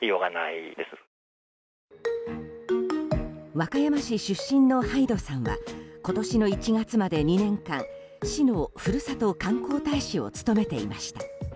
和歌山市出身のｈｙｄｅさんは今年の１月まで２年間市のふるさと観光大使を務めていました。